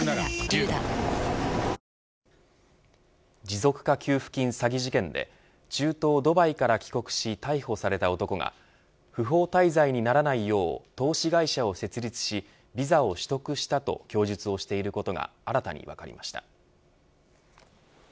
持続化給付金詐欺事件で中東ドバイから帰国し逮捕された男が不法滞在にならないよう投資会社を設立しビザを取得したと供述をしていることが新たに分かりました。